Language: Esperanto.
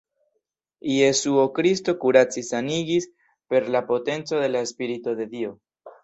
Jesuo Kristo kuracis-sanigis per la potenco de la Spirito de Dio.